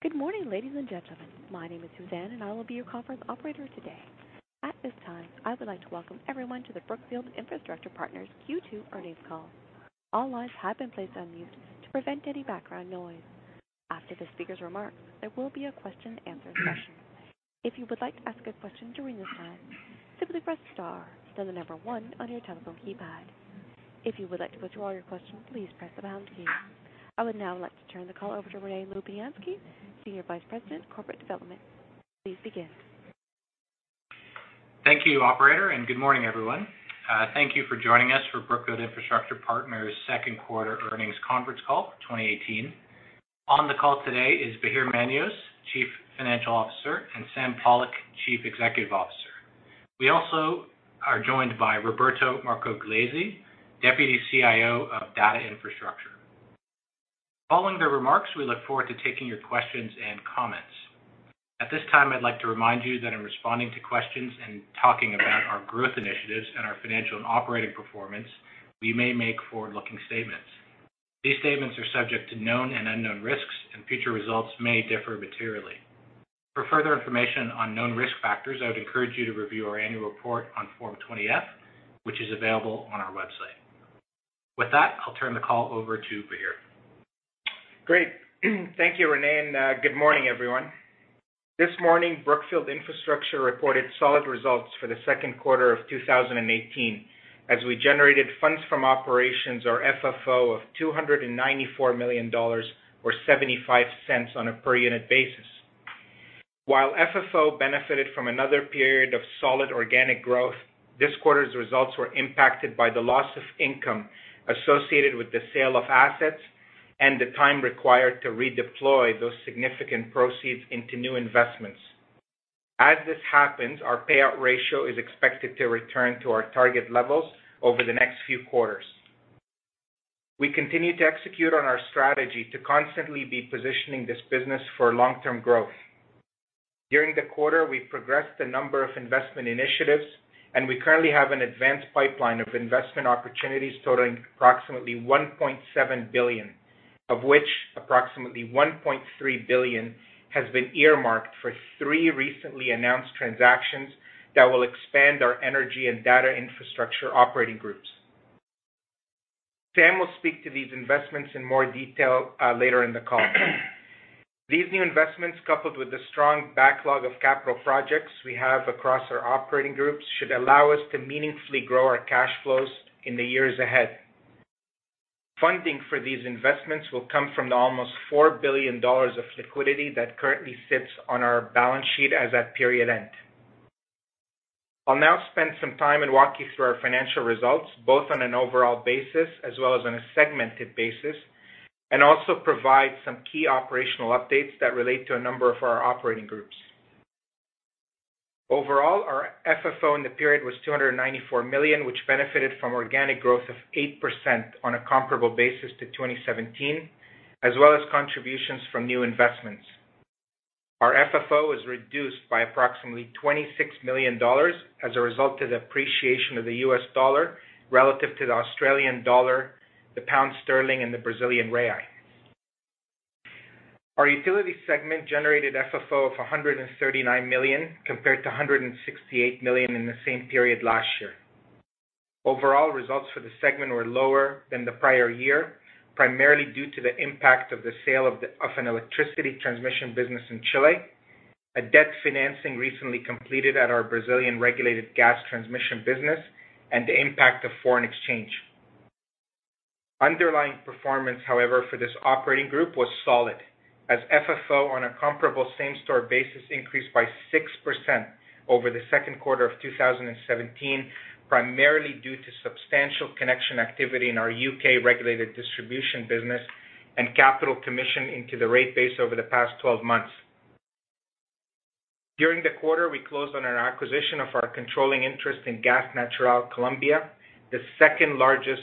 Good morning, ladies and gentlemen. My name is Suzanne, I will be your conference operator today. At this time, I would like to welcome everyone to the Brookfield Infrastructure Partners Q2 Earnings Call. All lines have been placed on mute to prevent any background noise. After the speaker's remarks, there will be a question and answer session. If you would like to ask a question during this time, simply press star, then the number one on your telephone keypad. If you would like to withdraw your question, please press the pound key. I would now like to turn the call over to Rene Lubianski, Senior Vice President, Corporate Development. Please begin. Thank you, operator. Good morning, everyone. Thank you for joining us for Brookfield Infrastructure Partners' second quarter earnings conference call for 2018. On the call today is Bahir Manios, Chief Financial Officer, and Sam Pollock, Chief Executive Officer. We also are joined by Roberto Marcogliese, Deputy CIO of Data Infrastructure. Following their remarks, we look forward to taking your questions and comments. At this time, I'd like to remind you that in responding to questions and talking about our growth initiatives and our financial and operating performance, we may make forward-looking statements. These statements are subject to known and unknown risks, and future results may differ materially. For further information on known risk factors, I would encourage you to review our annual report on Form 20-F, which is available on our website. With that, I'll turn the call over to Bahir. Great. Thank you, Rene. Good morning, everyone. This morning, Brookfield Infrastructure reported solid results for the second quarter of 2018 as we generated funds from operations or FFO of $294 million, or $0.75 on a per unit basis. While FFO benefited from another period of solid organic growth, this quarter's results were impacted by the loss of income associated with the sale of assets and the time required to redeploy those significant proceeds into new investments. As this happens, our payout ratio is expected to return to our target levels over the next few quarters. We continue to execute on our strategy to constantly be positioning this business for long-term growth. During the quarter, we progressed a number of investment initiatives. We currently have an advanced pipeline of investment opportunities totaling approximately $1.7 billion, of which approximately $1.3 billion has been earmarked for three recently announced transactions that will expand our energy and data infrastructure operating groups. Sam will speak to these investments in more detail later in the call. These new investments, coupled with the strong backlog of capital projects we have across our operating groups, should allow us to meaningfully grow our cash flows in the years ahead. Funding for these investments will come from the almost $4 billion of liquidity that currently sits on our balance sheet as at period end. I'll now spend some time and walk you through our financial results, both on an overall basis as well as on a segmented basis, and also provide some key operational updates that relate to a number of our operating groups. Overall, our FFO in the period was $294 million, which benefited from organic growth of 8% on a comparable basis to 2017, as well as contributions from new investments. Our FFO was reduced by approximately $26 million as a result of the appreciation of the US dollar relative to the Australian dollar, the pound sterling, and the Brazilian real. Our utility segment generated FFO of $139 million compared to $168 million in the same period last year. Overall results for the segment were lower than the prior year, primarily due to the impact of the sale of an electricity transmission business in Chile, a debt financing recently completed at our Brazilian regulated gas transmission business, and the impact of foreign exchange. Underlying performance, however, for this operating group was solid, as FFO on a comparable same-store basis increased by 6% over the second quarter of 2017, primarily due to substantial connection activity in our U.K.-regulated distribution business and capital commission into the rate base over the past 12 months. During the quarter, we closed on an acquisition of our controlling interest in Gas Natural Colombia, the second largest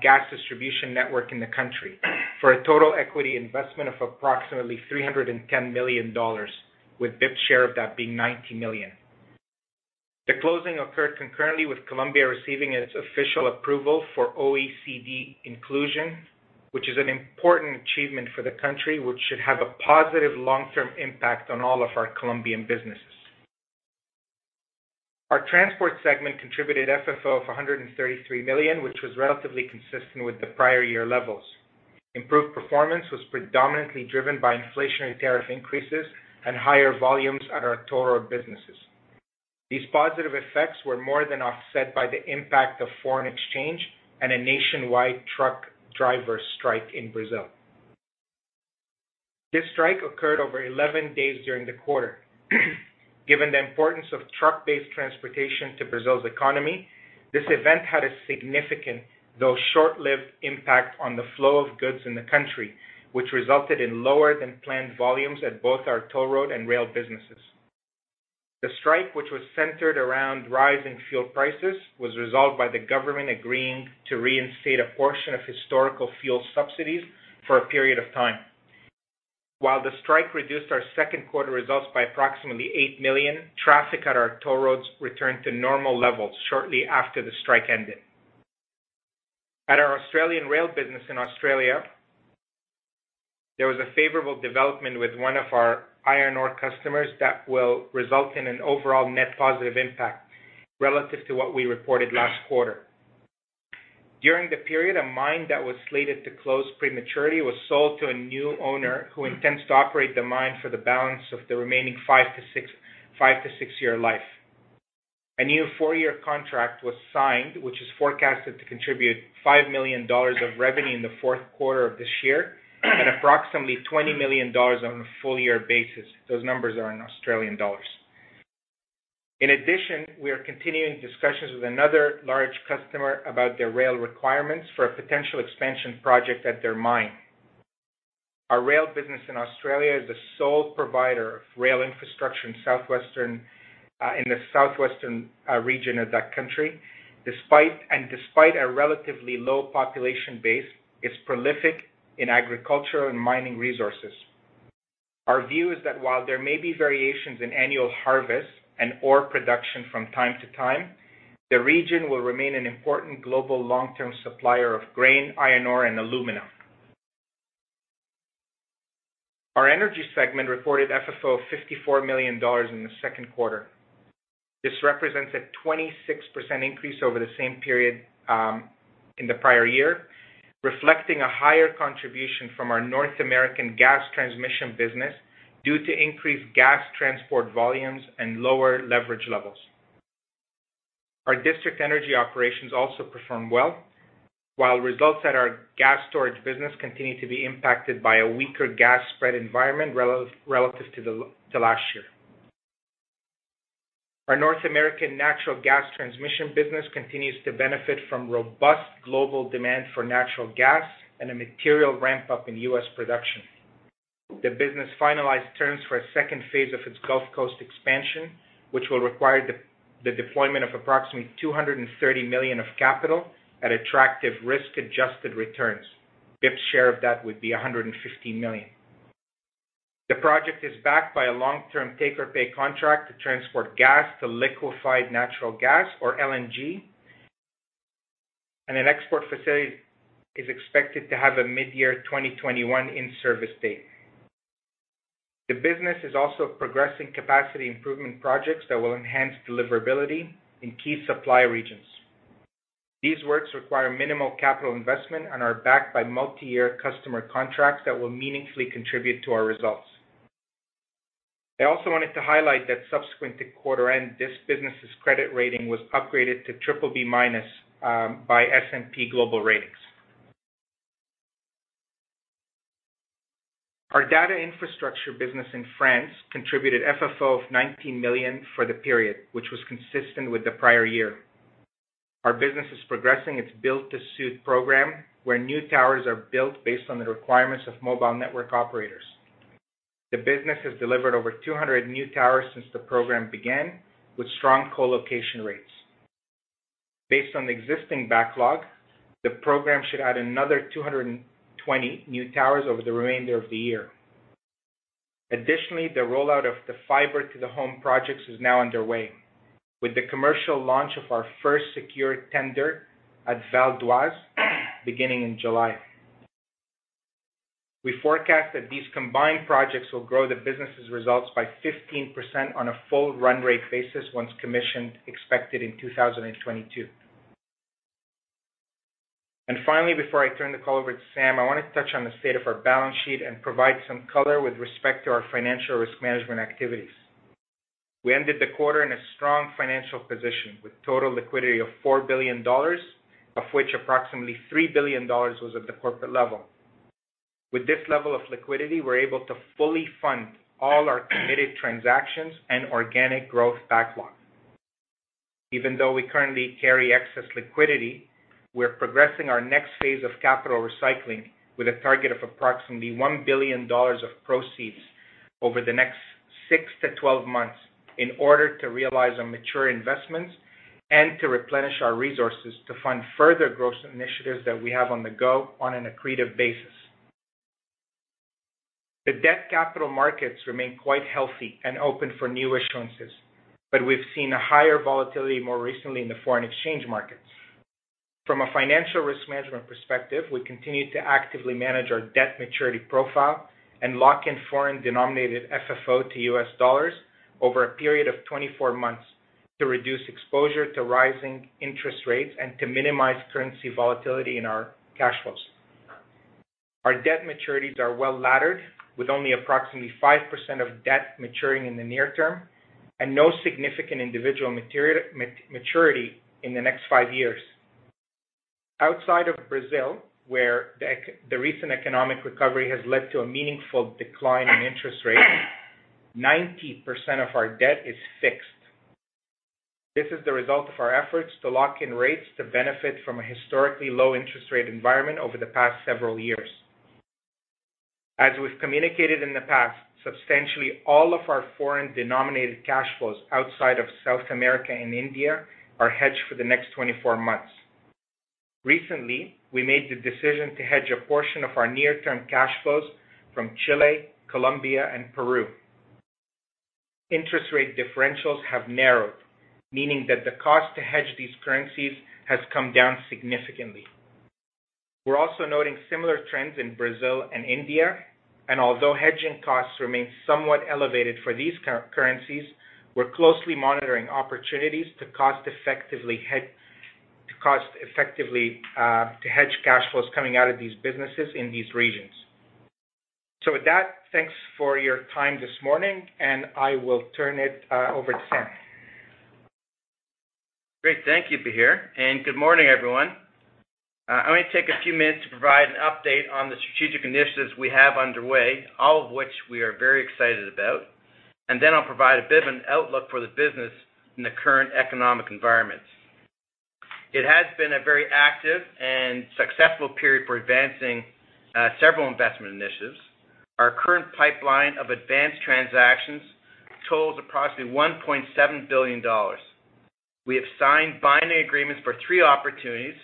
gas distribution network in the country, for a total equity investment of approximately $310 million, with BIP's share of that being $90 million. The closing occurred concurrently with Colombia receiving its official approval for OECD inclusion, which is an important achievement for the country, which should have a positive long-term impact on all of our Colombian businesses. Our transport segment contributed FFO of $133 million, which was relatively consistent with the prior year levels. Improved performance was predominantly driven by inflationary tariff increases and higher volumes at our toll road businesses. These positive effects were more than offset by the impact of foreign exchange and a nationwide truck driver strike in Brazil. This strike occurred over 11 days during the quarter. Given the importance of truck-based transportation to Brazil's economy, this event had a significant, though short-lived, impact on the flow of goods in the country, which resulted in lower than planned volumes at both our toll road and rail businesses. The strike, which was centered around rising fuel prices, was resolved by the government agreeing to reinstate a portion of historical fuel subsidies for a period of time. While the strike reduced our second quarter results by approximately $8 million, traffic at our toll roads returned to normal levels shortly after the strike ended. At our Australian rail business in Australia, there was a favorable development with one of our iron ore customers that will result in an overall net positive impact relative to what we reported last quarter. During the period, a mine that was slated to close prematurely was sold to a new owner who intends to operate the mine for the balance of the remaining five to six-year life. A new four-year contract was signed, which is forecasted to contribute 5 million dollars of revenue in the fourth quarter of this year at approximately 20 million dollars on a full year basis. Those numbers are in Australian dollars. In addition, we are continuing discussions with another large customer about their rail requirements for a potential expansion project at their mine. Our rail business in Australia is the sole provider of rail infrastructure in the southwestern region of that country. Despite a relatively low population base, it's prolific in agricultural and mining resources. Our view is that while there may be variations in annual harvest and ore production from time to time, the region will remain an important global long-term supplier of grain, iron ore, and aluminum. Our energy segment reported FFO of $54 million in the second quarter. This represents a 26% increase over the same period in the prior year, reflecting a higher contribution from our North American gas transmission business due to increased gas transport volumes and lower leverage levels. Our district energy operations also performed well, while results at our gas storage business continue to be impacted by a weaker gas spread environment relative to last year. Our North American natural gas transmission business continues to benefit from robust global demand for natural gas and a material ramp-up in U.S. production. The business finalized terms for a second phase of its Gulf Coast expansion, which will require the deployment of approximately $230 million of capital at attractive risk-adjusted returns. BIP's share of that would be $150 million. The project is backed by a long-term take-or-pay contract to transport gas to liquefied natural gas or LNG, and an export facility is expected to have a mid-year 2021 in-service date. The business is also progressing capacity improvement projects that will enhance deliverability in key supply regions. These works require minimal capital investment and are backed by multi-year customer contracts that will meaningfully contribute to our results. I also wanted to highlight that subsequent to quarter end, this business's credit rating was upgraded to BBB- by S&P Global Ratings. Our data infrastructure business in France contributed FFO of $19 million for the period, which was consistent with the prior year. Our business is progressing its build-to-suit program, where new towers are built based on the requirements of mobile network operators. The business has delivered over 200 new towers since the program began, with strong co-location rates. Based on the existing backlog, the program should add another 220 new towers over the remainder of the year. Additionally, the rollout of the fiber to the home projects is now underway, with the commercial launch of our first secured tender at Val-d'Oise beginning in July. We forecast that these combined projects will grow the business's results by 15% on a full run rate basis once commissioned, expected in 2022. Finally, before I turn the call over to Sam, I want to touch on the state of our balance sheet and provide some color with respect to our financial risk management activities. We ended the quarter in a strong financial position, with total liquidity of $4 billion, of which approximately $3 billion was at the corporate level. With this level of liquidity, we're able to fully fund all our committed transactions and organic growth backlog. Even though we currently carry excess liquidity, we're progressing our next phase of capital recycling with a target of approximately $1 billion of proceeds over the next six to 12 months in order to realize on mature investments and to replenish our resources to fund further growth initiatives that we have on the go on an accretive basis. The debt capital markets remain quite healthy and open for new issuances, but we've seen a higher volatility more recently in the foreign exchange markets. From a financial risk management perspective, we continue to actively manage our debt maturity profile and lock in foreign-denominated FFO to US dollars over a period of 24 months to reduce exposure to rising interest rates and to minimize currency volatility in our cash flows. Our debt maturities are well-laddered with only approximately 5% of debt maturing in the near term and no significant individual maturity in the next five years. Outside of Brazil, where the recent economic recovery has led to a meaningful decline in interest rates, 90% of our debt is fixed. This is the result of our efforts to lock in rates to benefit from a historically low interest rate environment over the past several years. As we've communicated in the past, substantially all of our foreign-denominated cash flows outside of South America and India are hedged for the next 24 months. Recently, we made the decision to hedge a portion of our near-term cash flows from Chile, Colombia, and Peru. Interest rate differentials have narrowed, meaning that the cost to hedge these currencies has come down significantly. We're also noting similar trends in Brazil and India, although hedging costs remain somewhat elevated for these currencies, we're closely monitoring opportunities to cost effectively hedge cash flows coming out of these businesses in these regions. With that, thanks for your time this morning, I will turn it over to Sam. Great. Thank you, Bahir, good morning, everyone. I'm going to take a few minutes to provide an update on the strategic initiatives we have underway, all of which we are very excited about, then I'll provide a bit of an outlook for the business in the current economic environment. It has been a very active and successful period for advancing several investment initiatives. Our current pipeline of advanced transactions totals approximately $1.7 billion. We have signed binding agreements for three opportunities,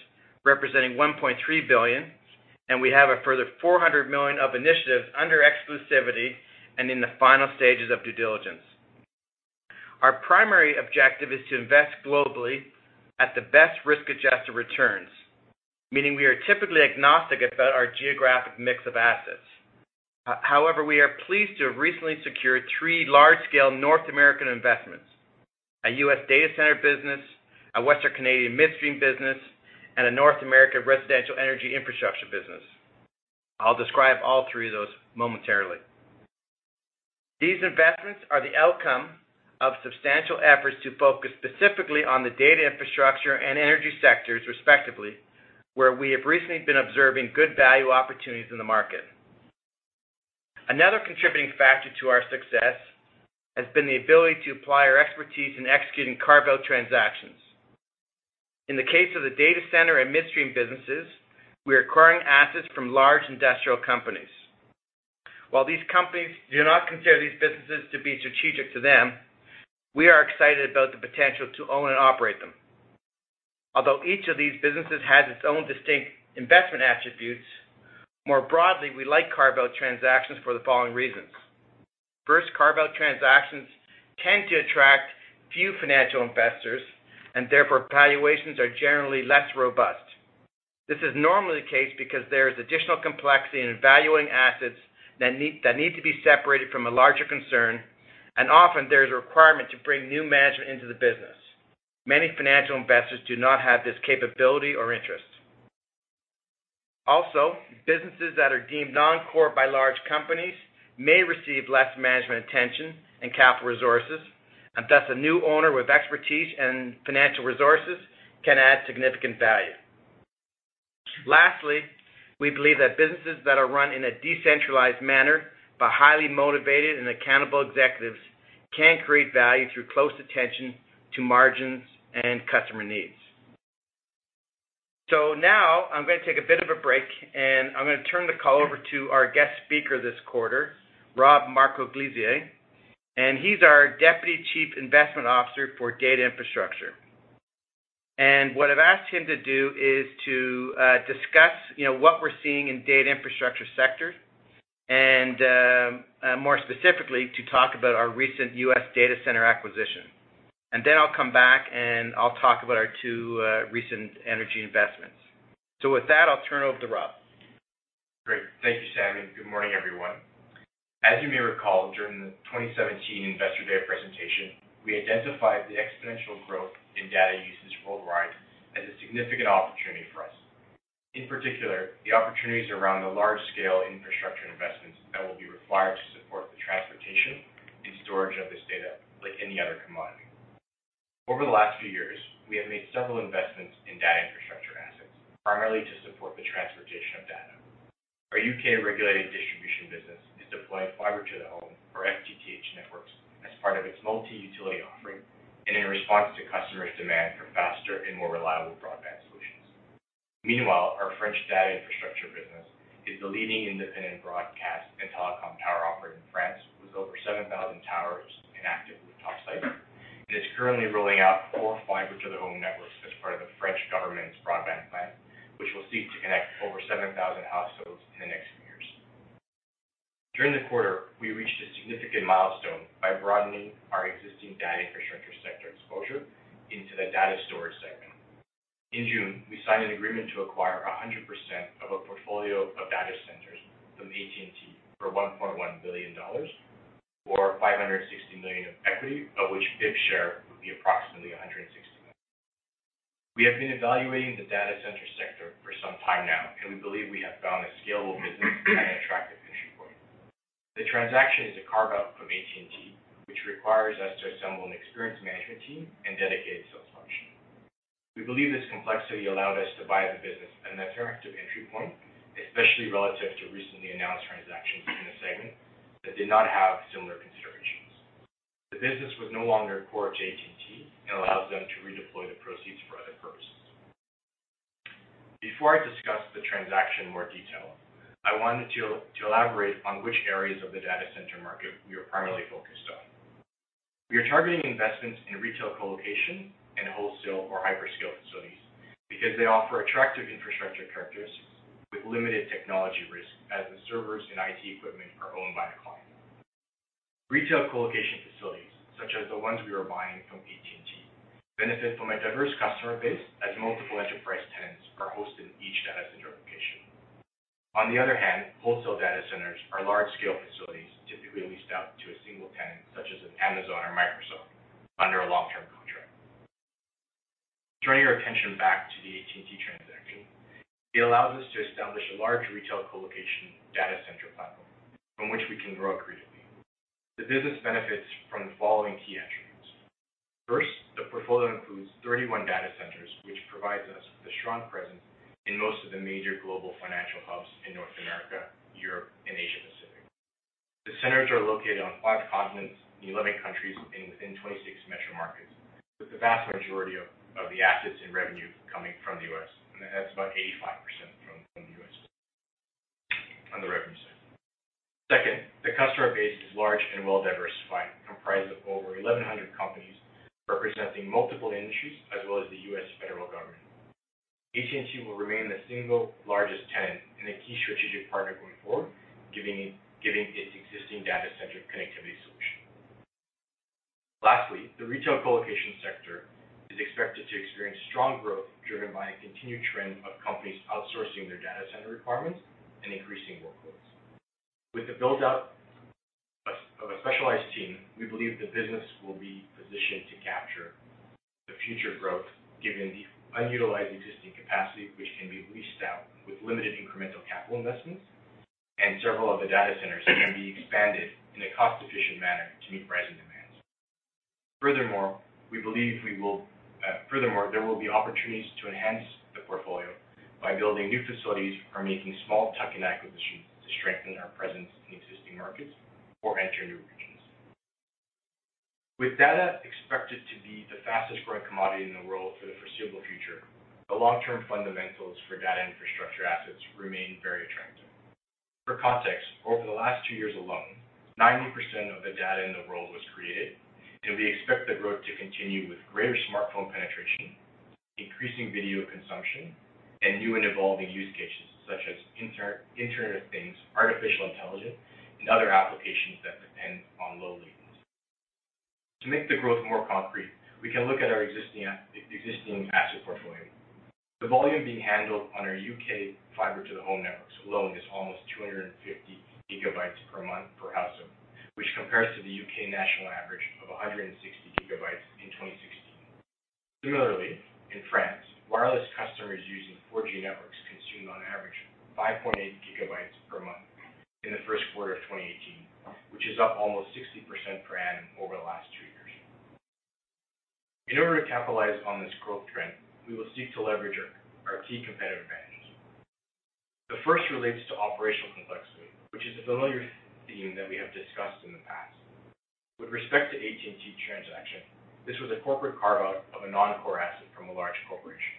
representing $1.3 billion, and we have a further $400 million of initiatives under exclusivity and in the final stages of due diligence. Our primary objective is to invest globally at the best risk-adjusted returns, meaning we are typically agnostic about our geographic mix of assets. However, we are pleased to have recently secured three large-scale North American investments, a U.S. data center business, a Western Canadian midstream business, and a North American residential energy infrastructure business. I will describe all three of those momentarily. These investments are the outcome of substantial efforts to focus specifically on the data infrastructure and energy sectors, respectively, where we have recently been observing good value opportunities in the market. Another contributing factor to our success has been the ability to apply our expertise in executing carve-out transactions. In the case of the data center and midstream businesses, we are acquiring assets from large industrial companies. While these companies do not consider these businesses to be strategic to them, we are excited about the potential to own and operate them. Although each of these businesses has its own distinct investment attributes, more broadly, we like carve-out transactions for the following reasons. First, carve-out transactions tend to attract few financial investors, and therefore valuations are generally less robust. This is normally the case because there is additional complexity in valuing assets that need to be separated from a larger concern, and often there is a requirement to bring new management into the business. Many financial investors do not have this capability or interest. Businesses that are deemed non-core by large companies may receive less management attention and capital resources, and thus a new owner with expertise and financial resources can add significant value. Lastly, we believe that businesses that are run in a decentralized manner by highly motivated and accountable executives can create value through close attention to margins and customer needs. Now I'm going to take a bit of a break and I'm going to turn the call over to our guest speaker this quarter, Rob Marcogliese, and he's our Deputy Chief Investment Officer for Data Infrastructure. What I've asked him to do is to discuss what we're seeing in data infrastructure sectors and, more specifically, to talk about our recent U.S. data center acquisition. Then I'll come back, and I'll talk about our two recent energy investments. With that, I'll turn it over to Rob. Great. Thank you, Sam, and good morning, everyone. As you may recall, during the 2017 Investor Day presentation, we identified the exponential growth in data usage worldwide as a significant opportunity for us, in particular, the opportunities around the large-scale infrastructure investments that will be required to support the transportation and storage of this data like any other commodity. Over the last few years, we have made several investments in data infrastructure assets, primarily to support the transportation of data. Our U.K. regulated distribution business is deploying fiber to the home or FTTH networks as part of its multi-utility offering and in response to customer demand for faster and more reliable broadband solutions. Our French data infrastructure business is the leading independent broadcast and telecom tower operator in France, with over 7,000 towers and active rooftop sites, and is currently rolling out core fiber to the home networks as part of the French government's broadband plan, which will seek to connect over 7,000 households in the next few years. During the quarter, we reached a significant milestone by broadening our existing data infrastructure sector exposure into the data storage segment. In June, we signed an agreement to acquire 100% of a portfolio of data centers from AT&T for $1.1 billion, or $560 million of equity, of which BIP's share would be approximately $160 million. We believe we have found a scalable business at an attractive entry point. The transaction is a carve-out from AT&T, which requires us to assemble an experienced management team and dedicated sales function. We believe this complexity allowed us to buy the business at an attractive entry point, especially relative to recently announced transactions in the segment that did not have similar considerations. The business was no longer core to AT&T and allows them to redeploy the proceeds for other purposes. Before I discuss the transaction in more detail, I wanted to elaborate on which areas of the data center market we are primarily focused on. We are targeting investments in retail colocation and wholesale or hyperscale facilities because they offer attractive infrastructure characteristics with limited technology risk as the servers and IT equipment are owned by the client. Retail colocation facilities, such as the ones we are buying from AT&T, benefit from a diverse customer base as multiple enterprise tenants are hosted in each data center location. On the other hand, wholesale data centers are large-scale facilities typically leased out to a single tenant, such as an Amazon or Microsoft, under a long-term contract. Turning our attention back to the AT&T transaction, it allows us to establish a large retail colocation data center platform from which we can grow accretively. The business benefits from the following key attributes. First, the portfolio includes 31 data centers, which provides us with a strong presence in most of the major global financial hubs in North America, Europe, and Asia-Pacific. The centers are located on five continents, in 11 countries, and within 26 metro markets, with the vast majority of the assets and revenue coming from the U.S. That's about 85% from the U.S. on the revenue side. Second, the customer base is large and well-diversified, comprised of over 1,100 companies representing multiple industries as well as the U.S. federal government. AT&T will remain the single largest tenant and a key strategic partner going forward, given its existing data center connectivity solution. Lastly, the retail colocation sector is expected to experience strong growth, driven by a continued trend of companies outsourcing their data center requirements and increasing workloads. With the build-out of a specialized team, we believe the business will be positioned to capture the future growth given the unutilized existing capacity, which can be leased out with limited incremental capital investments, and several of the data centers can be expanded in a cost-efficient manner to meet rising demands. Furthermore, there will be opportunities to enhance the portfolio by building new facilities or making small tuck-in acquisitions to strengthen our presence in existing markets or enter new regions. With data expected to be the fastest-growing commodity in the world for the foreseeable future, the long-term fundamentals for data infrastructure assets remain very attractive. For context, over the last two years alone, 90% of the data in the world was created, and we expect that growth to continue with greater smartphone penetration, increasing video consumption, and new and evolving use cases such as Internet of Things, artificial intelligence, and other applications that depend on low latencies. To make the growth more concrete, we can look at our existing asset portfolio. The volume being handled on our U.K. fiber to the home networks alone is almost 250 GB per month per household, which compares to the U.K. national average of 160 GB in 2016. Similarly, in France, wireless customers using 4G networks consume on average 5.8 GB per month in the first quarter of 2018, which is up almost 60% per annum over the last two years. In order to capitalize on this growth trend, we will seek to leverage our key competitive advantages. The first relates to operational complexity, which is a familiar theme that we have discussed in the past. With respect to the AT&T transaction, this was a corporate carve-out of a non-core asset from a large corporation.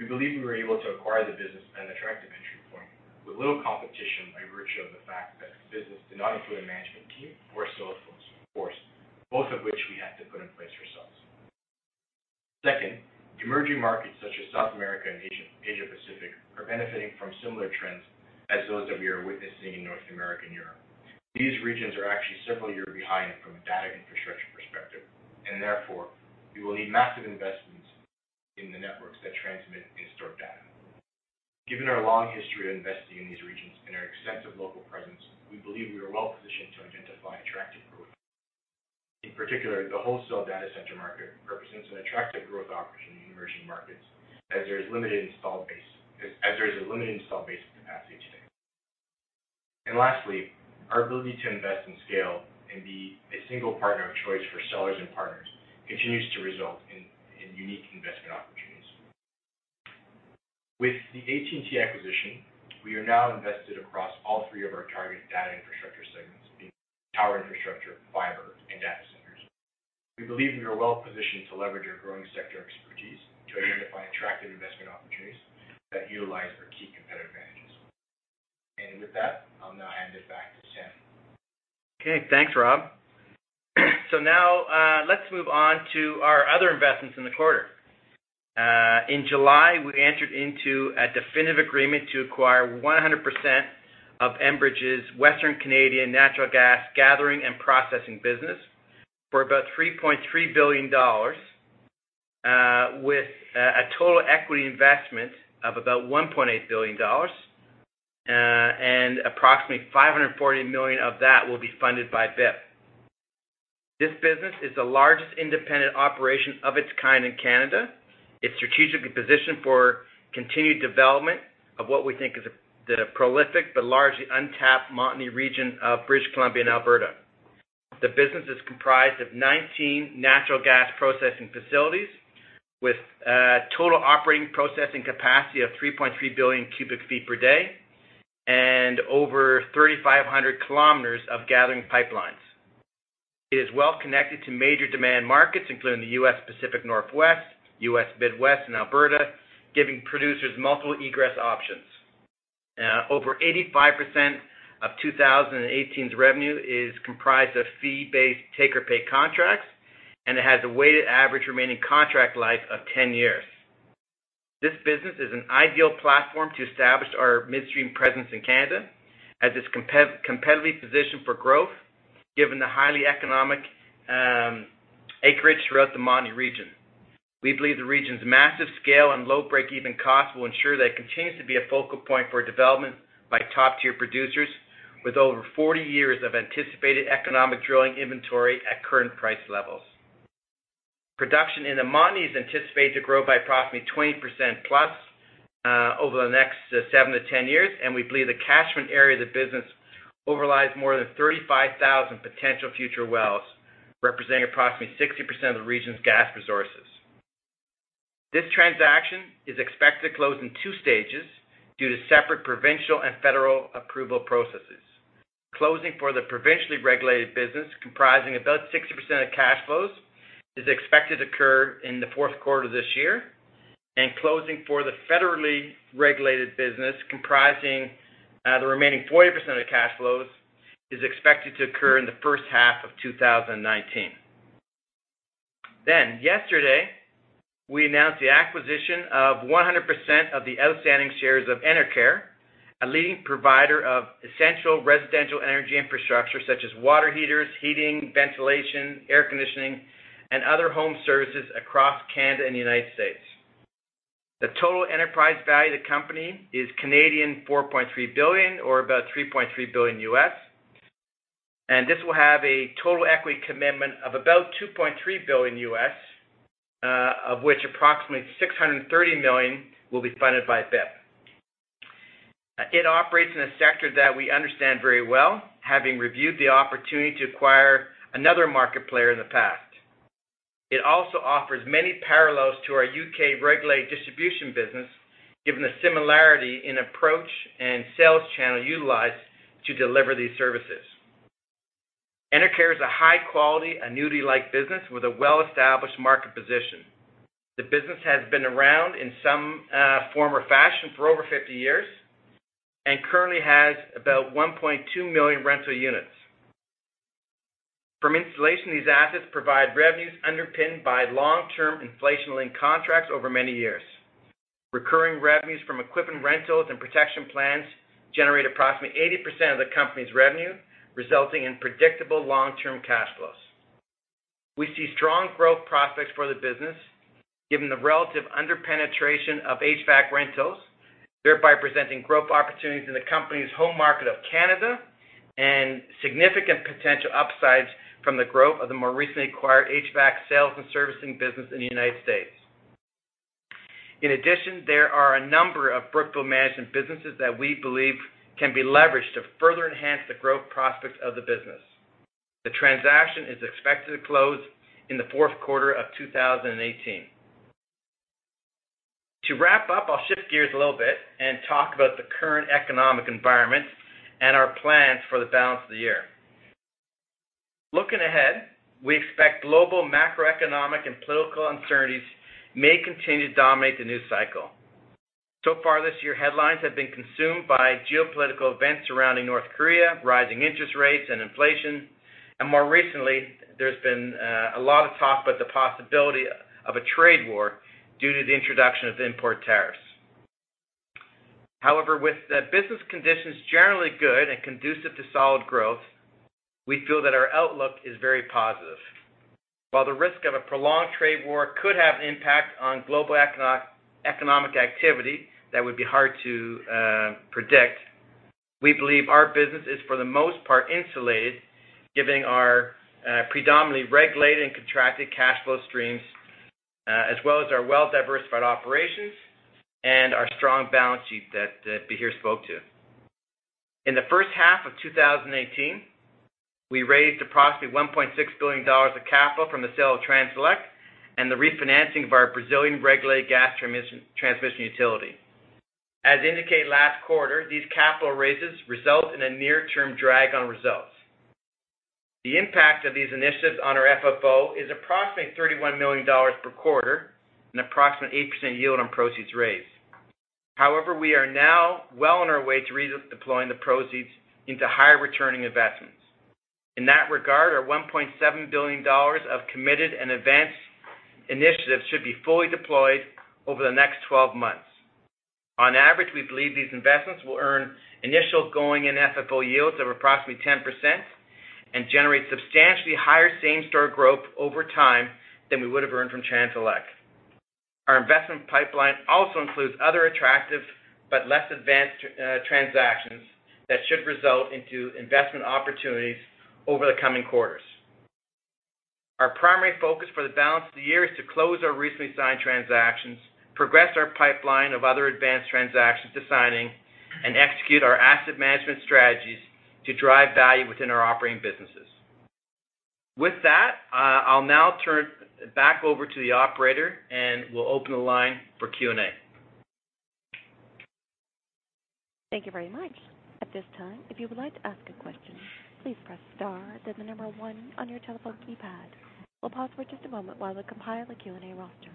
We believe we were able to acquire the business at an attractive entry point with little competition by virtue of the fact that the business did not include a management team or a sales force, both of which we had to put in place ourselves. Second, emerging markets such as South America and Asia-Pacific are benefiting from similar trends as those that we are witnessing in North America and Europe. These regions are actually several years behind from a data infrastructure perspective, and therefore, we will need massive investments in the networks that transmit and store data. Given our long history of investing in these regions and our extensive local presence, we believe we are well-positioned to identify attractive growth. In particular, the wholesale data center market represents an attractive growth opportunity in emerging markets as there is a limited install base capacity today. Lastly, our ability to invest in scale and be a single partner of choice for sellers and partners continues to result in unique investment opportunities. With the AT&T acquisition, we are now invested across all three of our target data infrastructure segments, being tower infrastructure, fiber, and data centers. We believe we are well-positioned to leverage our growing sector expertise to identify attractive investment opportunities that utilize our key competitive advantages. With that, I'll now hand it back to Sam. Okay, thanks, Rob. Now, let's move on to our other investments in the quarter. In July, we entered into a definitive agreement to acquire 100% of Enbridge's Western Canadian natural gas gathering and processing business for about $3.3 billion with a total equity investment of about $1.8 billion. Approximately $540 million of that will be funded by BIP. This business is the largest independent operation of its kind in Canada. It's strategically positioned for continued development of what we think is a prolific but largely untapped Montney region of British Columbia and Alberta. The business is comprised of 19 natural gas processing facilities with total operating processing capacity of 3.3 billion cubic feet per day and over 3,500 kilometers of gathering pipelines. It is well-connected to major demand markets, including the U.S. Pacific Northwest, U.S. Midwest, and Alberta, giving producers multiple egress options. Over 85% of 2018's revenue is comprised of fee-based take-or-pay contracts, and it has a weighted average remaining contract life of 10 years. This business is an ideal platform to establish our midstream presence in Canada, as it's competitively positioned for growth given the highly economic acreage throughout the Montney region. We believe the region's massive scale and low breakeven cost will ensure that it continues to be a focal point for development by top-tier producers, with over 40 years of anticipated economic drilling inventory at current price levels. Production in the Montney is anticipated to grow by approximately 20%+ over the next 7-10 years, and we believe the catchment area of the business overlies more than 35,000 potential future wells, representing approximately 60% of the region's gas resources. This transaction is expected to close in 2 stages due to separate provincial and federal approval processes. Closing for the provincially regulated business, comprising about 60% of cash flows, is expected to occur in the fourth quarter of this year, and closing for the federally regulated business, comprising the remaining 40% of the cash flows, is expected to occur in the first half of 2019. Yesterday, we announced the acquisition of 100% of the outstanding shares of Enercare, a leading provider of essential residential energy infrastructure such as water heaters, heating, ventilation, air conditioning, and other home services across Canada and the U.S. The total enterprise value of the company is 4.3 billion Canadian dollars or about $3.3 billion, and this will have a total equity commitment of about $2.3 billion, of which approximately $630 million will be funded by BIP. It operates in a sector that we understand very well, having reviewed the opportunity to acquire another market player in the past. It also offers many parallels to our U.K. regulated distribution business, given the similarity in approach and sales channel utilized to deliver these services. Enercare is a high-quality, annuity-like business with a well-established market position. The business has been around in some form or fashion for over 50 years and currently has about 1.2 million rental units. From installation, these assets provide revenues underpinned by long-term inflation-linked contracts over many years. Recurring revenues from equipment rentals and protection plans generate approximately 80% of the company's revenue, resulting in predictable long-term cash flows. We see strong growth prospects for the business given the relative under-penetration of HVAC rentals, thereby presenting growth opportunities in the company's home market of Canada and significant potential upsides from the growth of the more recently acquired HVAC sales and servicing business in the U.S. In addition, there are a number of Brookfield management businesses that we believe can be leveraged to further enhance the growth prospects of the business. The transaction is expected to close in the fourth quarter of 2018. To wrap up, I'll shift gears a little bit and talk about the current economic environment and our plans for the balance of the year. Looking ahead, we expect global macroeconomic and political uncertainties may continue to dominate the news cycle. So far this year, headlines have been consumed by geopolitical events surrounding North Korea, rising interest rates and inflation, and more recently, there's been a lot of talk about the possibility of a trade war due to the introduction of import tariffs. However, with the business conditions generally good and conducive to solid growth, we feel that our outlook is very positive. While the risk of a prolonged trade war could have an impact on global economic activity, that would be hard to predict. We believe our business is, for the most part, insulated, given our predominantly regulated and contracted cash flow streams, as well as our well-diversified operations and our strong balance sheet that Bahir spoke to. In the first half of 2018, we raised approximately $1.6 billion of capital from the sale of Transelec and the refinancing of our Brazilian regulated gas transmission utility. As indicated last quarter, these capital raises result in a near-term drag on results. The impact of these initiatives on our FFO is approximately $31 million per quarter and approximately 8% yield on proceeds raised. However, we are now well on our way to redeploying the proceeds into higher-returning investments. In that regard, our $1.7 billion of committed and advanced initiatives should be fully deployed over the next 12 months. On average, we believe these investments will earn initial going-in FFO yields of approximately 10% and generate substantially higher same-store growth over time than we would have earned from Transelec. Our investment pipeline also includes other attractive but less advanced transactions that should result into investment opportunities over the coming quarters. Our primary focus for the balance of the year is to close our recently signed transactions, progress our pipeline of other advanced transactions to signing, and execute our asset management strategies to drive value within our operating businesses. With that, I'll now turn it back over to the operator, and we'll open the line for Q&A. Thank you very much. At this time, if you would like to ask a question, please press star, then the number 1 on your telephone keypad. We'll pause for just a moment while we compile a Q&A roster.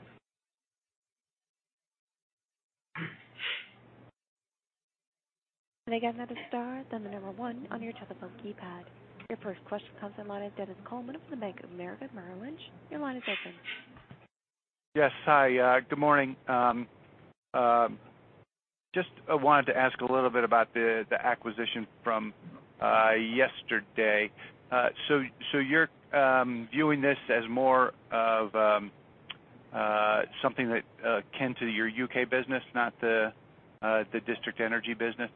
Again, another star, then the number 1 on your telephone keypad. Your first question comes from the line of Dennis Coleman from the Bank of America Merrill Lynch. Your line is open. Yes. Hi, good morning. Just wanted to ask a little bit about the acquisition from yesterday. You're viewing this as more of something that akin to your U.K. business, not the district energy business?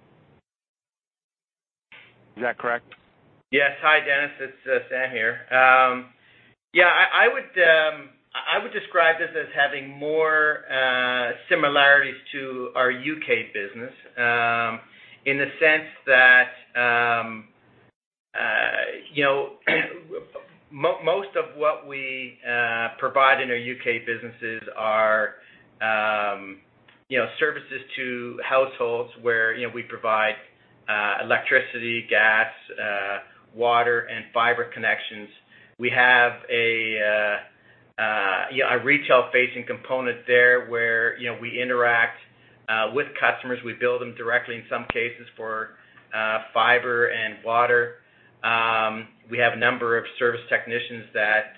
Is that correct? Yes. Hi, Dennis, it's Sam here. Yeah, I would describe this as having more similarities to our U.K. business, in the sense that most of what we provide in our U.K. businesses are services to households where we provide electricity, gas, water, and fiber connections. We have a retail-facing component there where we interact with customers. We bill them directly in some cases for fiber and water. We have a number of service technicians that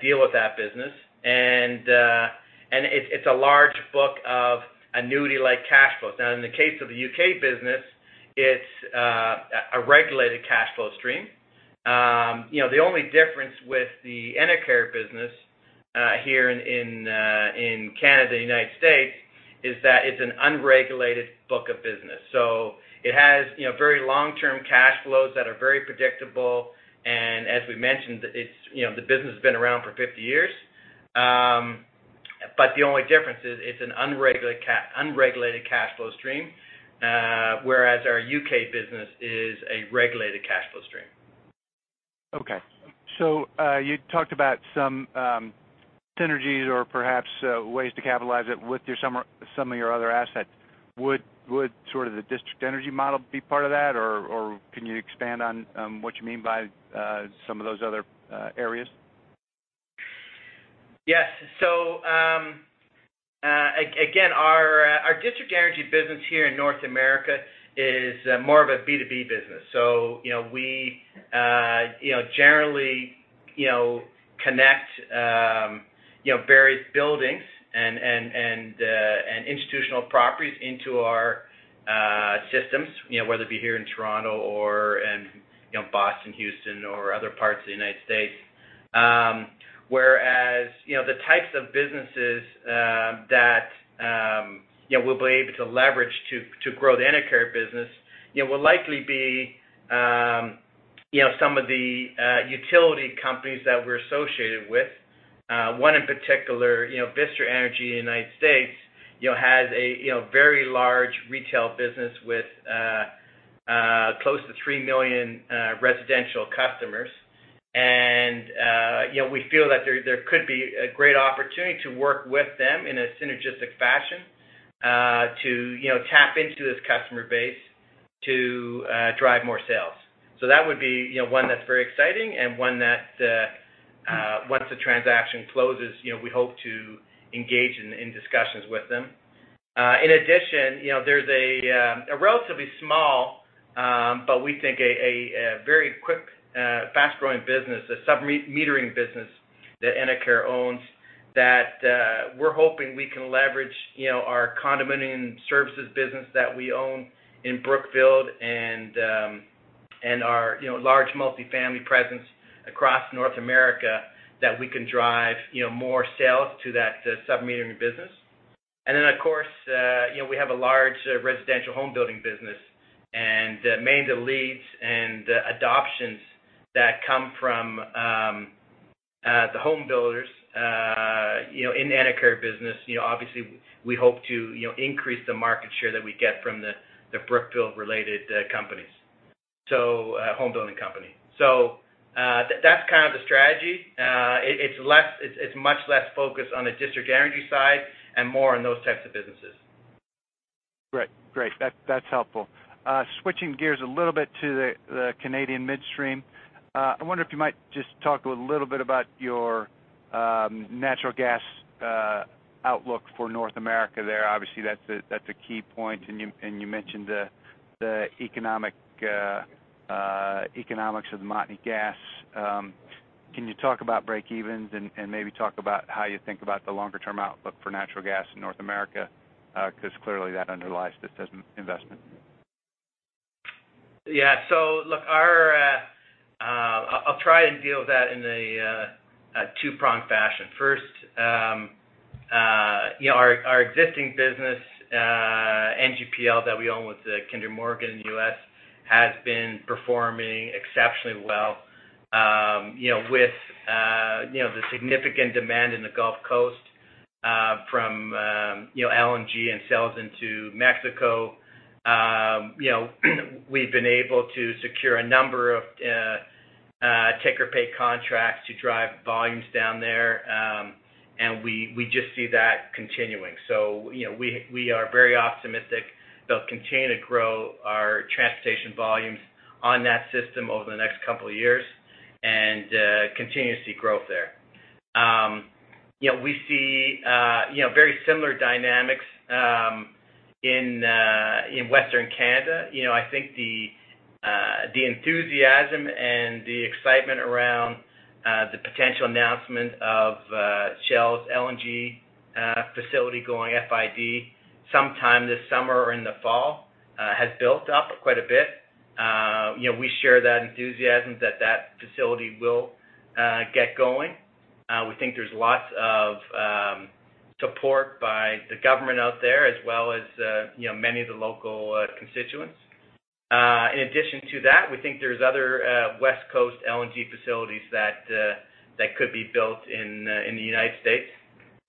deal with that business. It's a large book of annuity-like cash flows. Now, in the case of the U.K. business, it's a regulated cash flow stream. The only difference with the Enercare business here in Canada and the U.S. is that it's an unregulated book of business. It has very long-term cash flows that are very predictable, and as we mentioned, the business has been around for 50 years. The only difference is it's an unregulated cash flow stream. Whereas our U.K. business is a regulated cash flow stream. Okay. You talked about some synergies or perhaps ways to capitalize it with some of your other assets. Would sort of the district energy model be part of that? Can you expand on what you mean by some of those other areas? Yes. Again, our district energy business here in North America is more of a B2B business. We generally connect various buildings and institutional properties into our systems, whether it be here in Toronto or in Boston, Houston, or other parts of the United States. Whereas, the types of businesses that we'll be able to leverage to grow the Enercare business will likely be some of the utility companies that we're associated with. One in particular, Vistra Energy in the United States, has a very large retail business with close to 3 million residential customers. We feel that there could be a great opportunity to work with them in a synergistic fashion to tap into this customer base to drive more sales. That would be one that's very exciting and one that, once the transaction closes, we hope to engage in discussions with them. In addition, there's a relatively small, but we think a very quick, fast-growing business, a sub-metering business that Enercare owns that we're hoping we can leverage our condominium services business that we own in Brookfield and our large multi-family presence across North America that we can drive more sales to that sub-metering business. Of course, we have a large residential home building business, and many of the leads and adoptions that come from the home builders in the Enercare business. Obviously, we hope to increase the market share that we get from the Brookfield-related companies. So home building company. That's kind of the strategy. It's much less focused on the district energy side and more on those types of businesses. Great. That's helpful. Switching gears a little bit to the Canadian midstream. I wonder if you might just talk a little bit about your natural gas outlook for North America there. Obviously, that's a key point, and you mentioned the economics of Montney gas. Can you talk about break evens and maybe talk about how you think about the longer-term outlook for natural gas in North America? Because clearly that underlies this investment. Yeah. First, our existing business, NGPL, that we own with Kinder Morgan in the U.S., has been performing exceptionally well. With the significant demand in the Gulf Coast from LNG and sales into Mexico, we've been able to secure a number of take or pay contracts to drive volumes down there, and we just see that continuing. We are very optimistic they'll continue to grow our transportation volumes on that system over the next couple of years and continue to see growth there. We see very similar dynamics in Western Canada. I think the enthusiasm and the excitement around the potential announcement of Shell's LNG facility going FID sometime this summer or in the fall has built up quite a bit. We share that enthusiasm that that facility will get going. We think there's lots of support by the government out there as well as many of the local constituents. In addition to that, we think there's other West Coast LNG facilities that could be built in the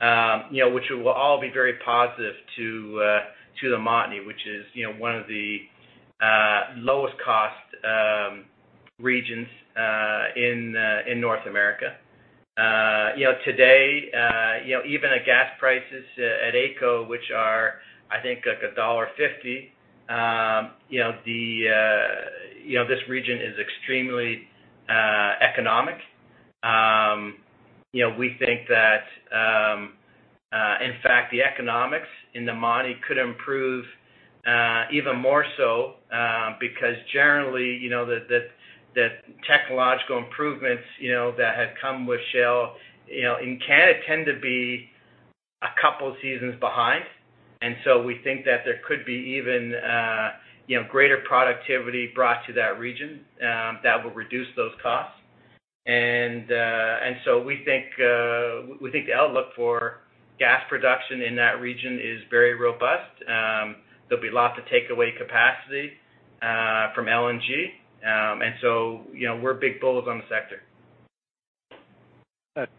U.S., which will all be very positive to the Montney, which is one of the lowest cost regions in North America. Today, even at gas prices at AECO, which are, I think, like $1.50, this region is extremely economic. We think that, in fact, the economics in the Montney could improve even more so because generally, the technological improvements that have come with Shell in Canada tend to be a couple of seasons behind. We think that there could be even greater productivity brought to that region that will reduce those costs. We think the outlook for gas production in that region is very robust. There'll be lots of takeaway capacity from LNG. We're big bulls on the sector.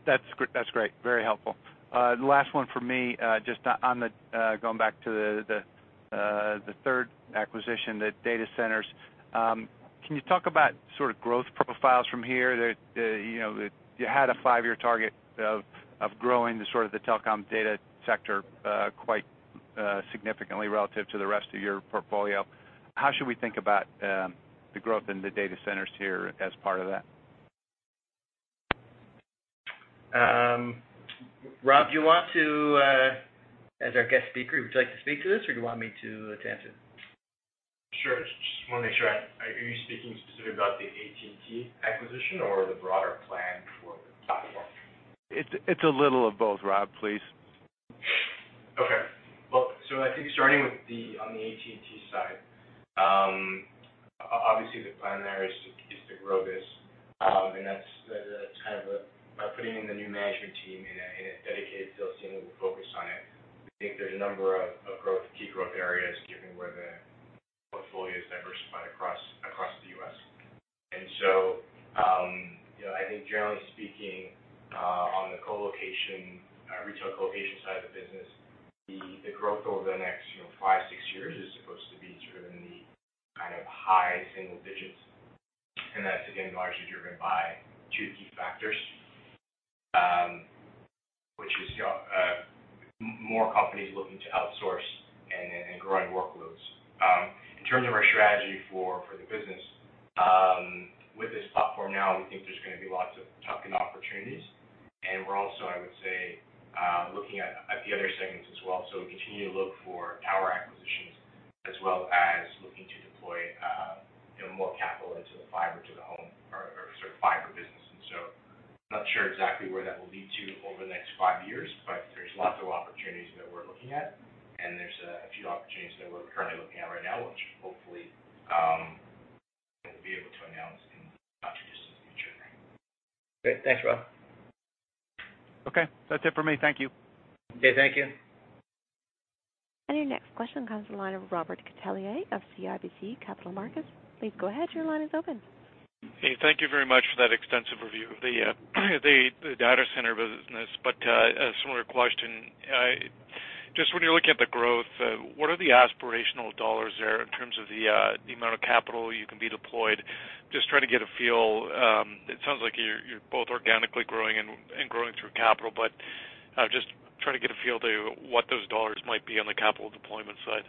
That's great. Very helpful. Last one from me, just going back to the third acquisition, the data centers. Can you talk about sort of growth profiles from here? You had a five-year target of growing the telecom data sector quite significantly relative to the rest of your portfolio. How should we think about the growth in the data centers here as part of that? Rob, as our guest speaker, would you like to speak to this or do you want me to answer it? Sure. Just want to make sure. Are you speaking specifically about the AT&T acquisition or the broader plan for the platform? It's a little of both, Rob, please. I think starting with on the AT&T side, obviously the plan there is to grow this. That's kind of by putting in the new management team and a dedicated sales team that will focus on it. We think there's a number of key growth areas given where the portfolio is diversified across the U.S. I think generally speaking on the retail colocation side of the business, the growth over the next five, six years is supposed to be sort of in the kind of high single digits. That's, again, largely driven by two key factors, which is more companies looking to outsource and growing workloads. In terms of our strategy for the business, with this platform now, we think there's going to be lots of tuck-in opportunities. We're also, I would say, looking at the other segments as well. We continue to look for power acquisitions, as well as looking to deploy more capital into the fiber to the home or sort of fiber business. Not sure exactly where that will lead to over the next five years, but there's lots of opportunities that we're looking at. There's a few opportunities that we're currently looking at right now, which hopefully, we'll be able to announce in the not too distant future. Great. Thanks, Rob. Okay. That's it for me. Thank you. Okay. Thank you. Your next question comes from the line of Robert Catellier of CIBC Capital Markets. Please go ahead. Your line is open. Hey, thank you very much for that extensive review of the data center business. A similar question. Just when you're looking at the growth, what are the aspirational dollars there in terms of the amount of capital you can be deployed? Just trying to get a feel. It sounds like you're both organically growing and growing through capital, but just trying to get a feel to what those dollars might be on the capital deployment side.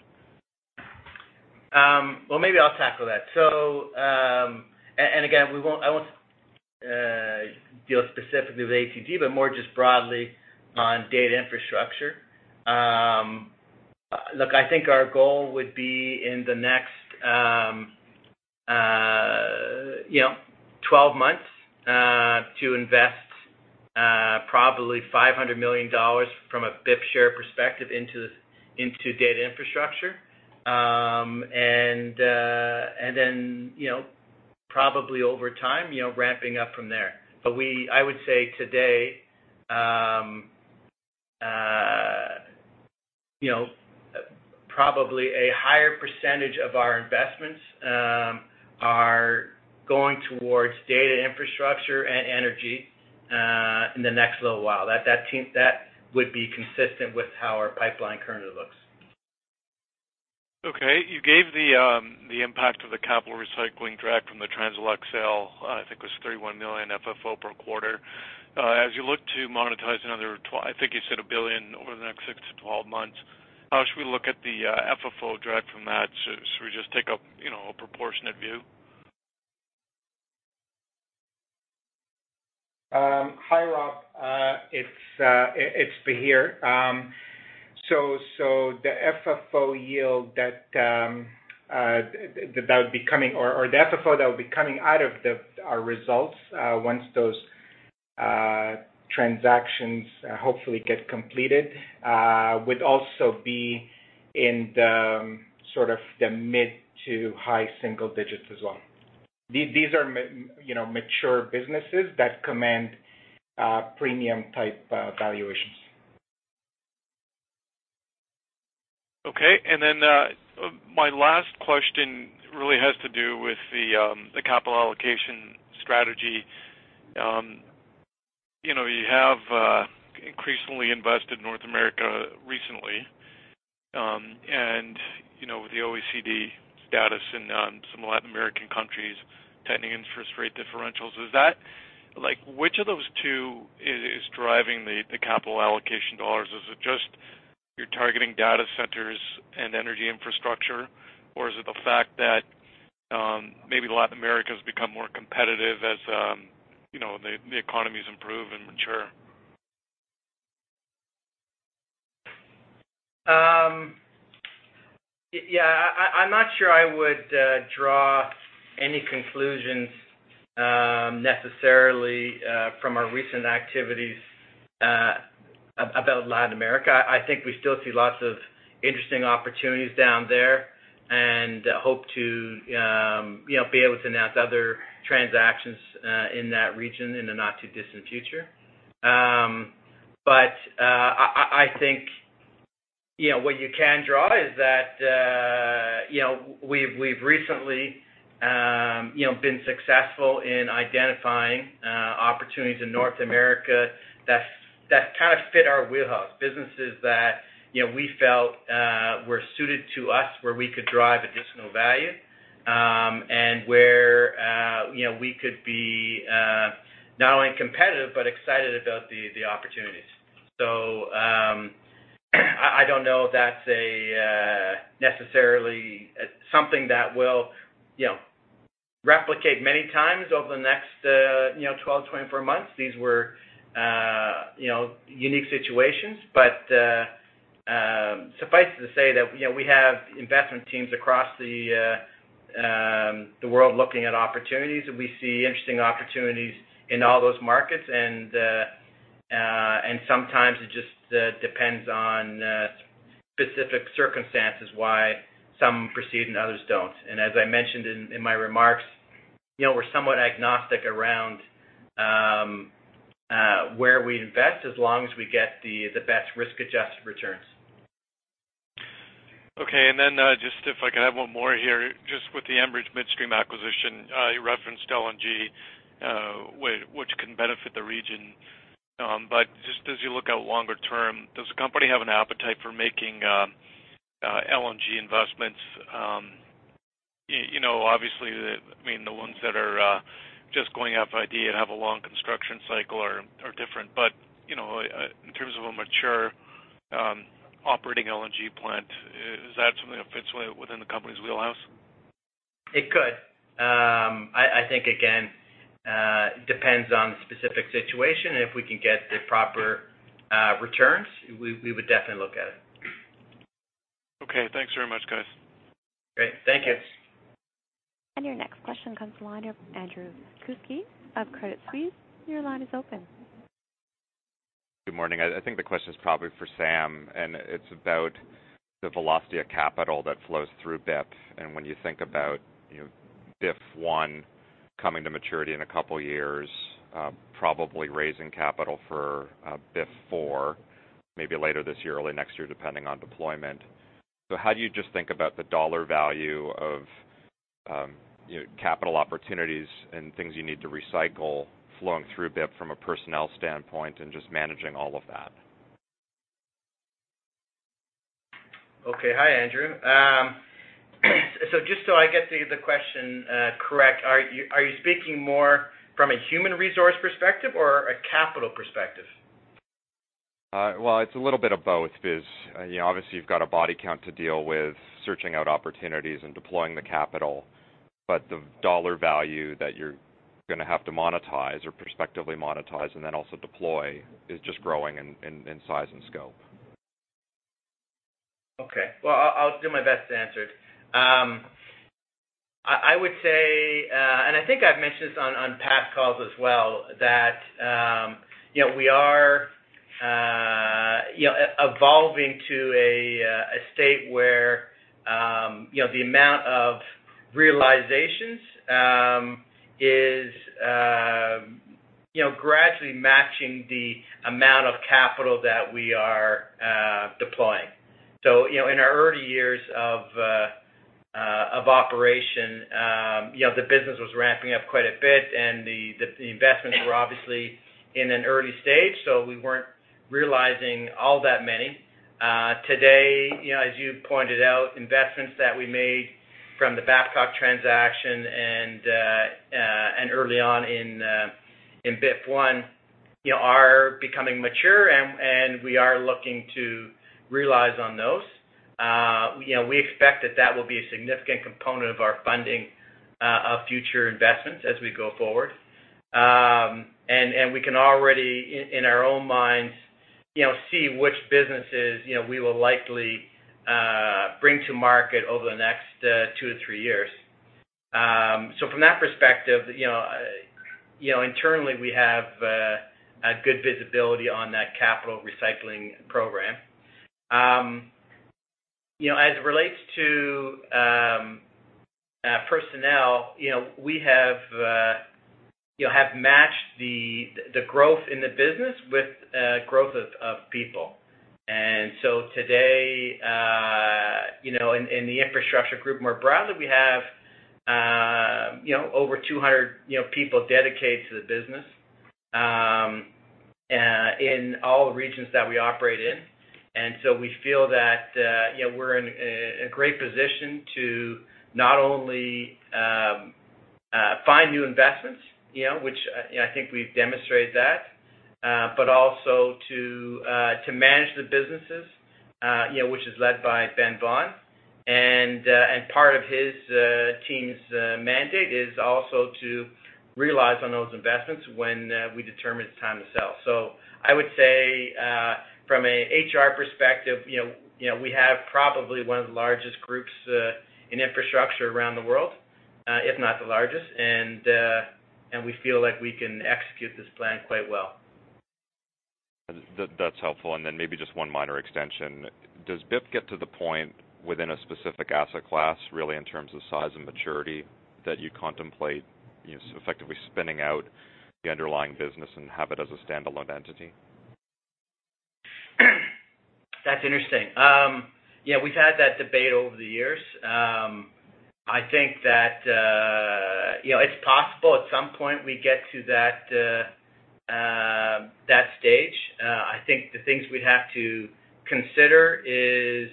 Well, maybe I'll tackle that. Again, I won't deal specifically with AT&T, but more just broadly on data infrastructure. Look, I think our goal would be in the next 12 months to invest probably $500 million from a BIP share perspective into data infrastructure. Probably over time, ramping up from there. I would say today, probably a higher percentage of our investments are going towards data infrastructure and energy in the next little while. That would be consistent with how our pipeline currently looks. Okay, you gave the impact of the capital recycling drag from the Transelec sale, I think it was $31 million FFO per quarter. As you look to monetize another, I think you said $1 billion over the next 6 to 12 months, how should we look at the FFO drag from that? It's Bahir. The FFO yield that would be coming or the FFO that would be coming out of our results once those transactions hopefully get completed would also be in the mid to high single digits as well. These are mature businesses that command premium-type valuations. Okay. My last question really has to do with the capital allocation strategy. You have increasingly invested in North America recently. With the OECD status in some Latin American countries, tightening interest rate differentials, which of those two is driving the capital allocation $? Is it just you're targeting data centers and energy infrastructure, or is it the fact that maybe Latin America's become more competitive as the economies improve and mature? Yeah. I'm not sure I would draw any conclusions necessarily from our recent activities about Latin America. I think we still see lots of interesting opportunities down there and hope to be able to announce other transactions in that region in the not-too-distant future. I think what you can draw is that we've recently been successful in identifying opportunities in North America that fit our wheelhouse. Businesses that we felt were suited to us, where we could drive additional value, and where we could be not only competitive but excited about the opportunities. I don't know if that's necessarily something that we'll replicate many times over the next 12 to 24 months. These were unique situations. Suffice it to say that we have investment teams across the world looking at opportunities, and we see interesting opportunities in all those markets. Sometimes it just depends on specific circumstances why some proceed and others don't. As I mentioned in my remarks, we're somewhat agnostic around where we invest as long as we get the best risk-adjusted returns. Okay. Just if I could have one more here. Just with the Enbridge Midstream acquisition, you referenced LNG, which can benefit the region. Just as you look out longer term, does the company have an appetite for making LNG investments? Obviously, the ones that are just going full FID and have a long construction cycle are different. In terms of a mature operating LNG plant, is that something that fits within the company's wheelhouse? It could. I think, again, it depends on the specific situation. If we can get the proper returns, we would definitely look at it. Okay. Thanks very much, guys. Great. Thank you. Your next question comes the line of Andrew Kuske of Credit Suisse. Your line is open. Good morning. I think the question is probably for Sam, it's about the velocity of capital that flows through BIP. When you think about BIP One coming to maturity in a couple of years, probably raising capital for BIP Four maybe later this year, early next year, depending on deployment. How do you just think about the dollar value of capital opportunities and things you need to recycle flowing through BIP from a personnel standpoint and just managing all of that? Okay. Hi, Andrew. Just so I get the question correct, are you speaking more from a human resource perspective or a capital perspective? Well, it's a little bit of both because obviously you've got a body count to deal with searching out opportunities and deploying the capital, but the dollar value that you're going to have to monetize or prospectively monetize and then also deploy is just growing in size and scope. Okay. Well, I'll do my best to answer it. I would say, I think I've mentioned this on past calls as well, that we are evolving to a state where the amount of realizations is gradually matching the amount of capital that we are deploying. In our early years of operation, the business was ramping up quite a bit and the investments were obviously in an early stage, we weren't realizing all that many. Today, as you pointed out, investments that we made from the Babcock transaction and early on in BIP One are becoming mature, we are looking to realize on those. We expect that that will be a significant component of our funding of future investments as we go forward. We can already, in our own minds, see which businesses we will likely bring to market over the next 2 to 3 years. From that perspective, internally, we have good visibility on that capital recycling program. As it relates to personnel, we have matched the growth in the business with growth of people. Today, in the infrastructure group more broadly, we have over 200 people dedicated to the business in all the regions that we operate in. We feel that we're in a great position to not only find new investments, which I think we've demonstrated that, but also to manage the businesses, which is led by Ben Vaughan. Part of his team's mandate is also to realize on those investments when we determine it's time to sell. I would say from a HR perspective, we have probably one of the largest groups in infrastructure around the world, if not the largest. We feel like we can execute this plan quite well. That's helpful. Then maybe just one minor extension. Does BIP get to the point within a specific asset class, really, in terms of size and maturity, that you contemplate effectively spinning out the underlying business and have it as a standalone entity? That's interesting. Yeah, we've had that debate over the years. I think that it's possible at some point we get to that stage. I think the things we'd have to consider is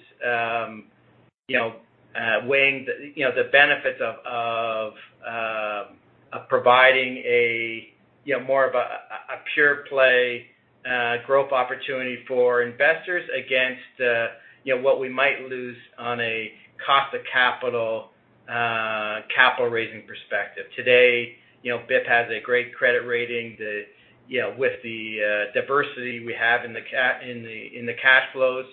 weighing the benefits of providing more of a pure play growth opportunity for investors against what we might lose on a cost of capital raising perspective. Today, BIP has a great credit rating that with the diversity we have in the cash flows,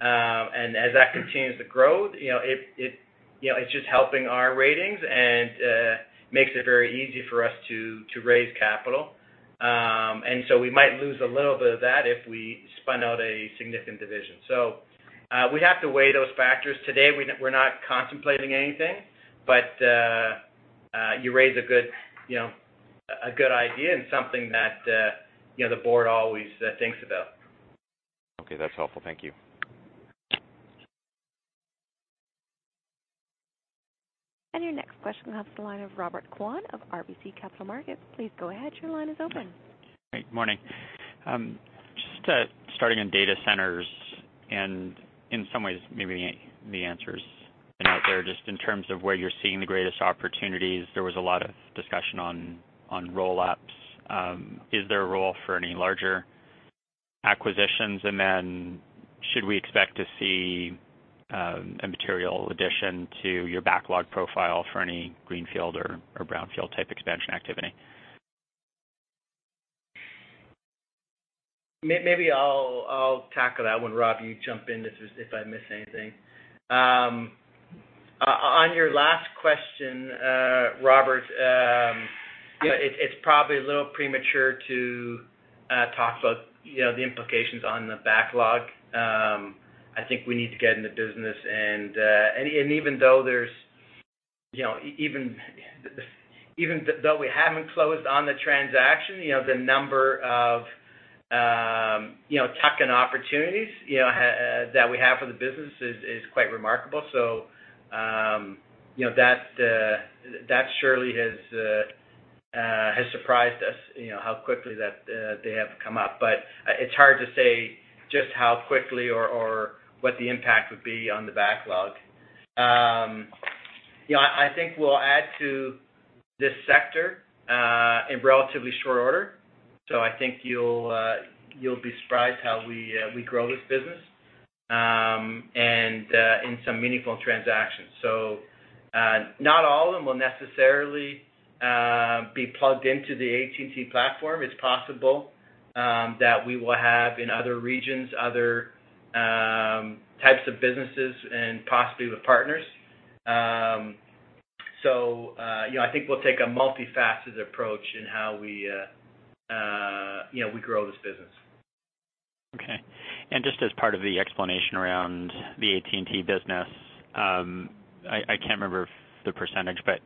as that continues to grow, it's just helping our ratings and makes it very easy for us to raise capital. We might lose a little bit of that if we spun out a significant division. We have to weigh those factors. Today, we're not contemplating anything. You raise a good idea and something that the board always thinks about. Okay. That's helpful. Thank you. Your next question comes to the line of Robert Kwan of RBC Capital Markets. Please go ahead. Your line is open. Great. Morning. Just starting on data centers, in some ways maybe the answer's been out there, just in terms of where you're seeing the greatest opportunities. There was a lot of discussion on roll-ups. Is there a role for any larger acquisitions? Should we expect to see a material addition to your backlog profile for any greenfield or brownfield type expansion activity? Maybe I'll tackle that one, Rob. You jump in if I miss anything. On your last question, Robert, it's probably a little premature to talk about the implications on the backlog. I think we need to get in the business and even though we haven't closed on the transaction, the number of tuck-in opportunities that we have for the business is quite remarkable. That surely has surprised us, how quickly that they have come up. It's hard to say just how quickly or what the impact would be on the backlog. I think we'll add to this sector in relatively short order. I think you'll be surprised how we grow this business and in some meaningful transactions. Not all of them will necessarily be plugged into the AT&T platform. It's possible that we will have, in other regions, other types of businesses and possibly with partners. I think we'll take a multifaceted approach in how we grow this business. Okay. Just as part of the explanation around the AT&T business, I can't remember the percentage, but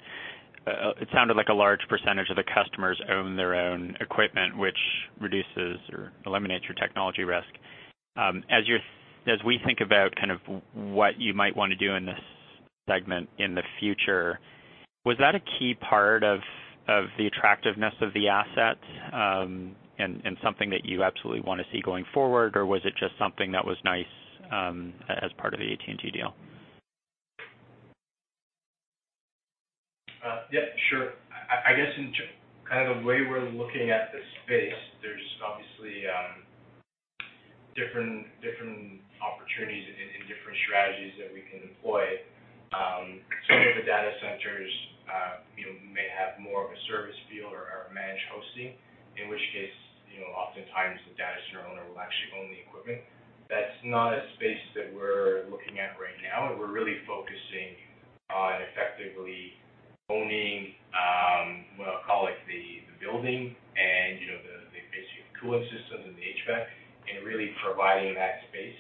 it sounded like a large percentage of the customers own their own equipment, which reduces or eliminates your technology risk. As we think about kind of what you might want to do in this segment in the future, was that a key part of the attractiveness of the asset and something that you absolutely want to see going forward? Was it just something that was nice as part of the AT&T deal? Yeah, sure. I guess in the way we're looking at the space, there's obviously different opportunities and different strategies that we can employ. Some of the data centers may have more of a service feel or are managed hosting, in which case, oftentimes the data center owner will actually own the equipment. That's not a space that we're looking at right now. We're really focusing on effectively owning, what I'll call it, the building and the basic cooling systems and the HVAC, and really providing that space